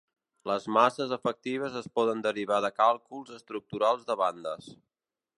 Les masses efectives es poden derivar de càlculs estructurals de bandes.